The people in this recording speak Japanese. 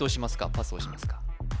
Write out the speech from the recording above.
パスをしますか？